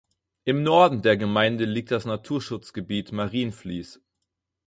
Im Norden der Gemeinde liegt das Naturschutzgebiet „Marienfließ“.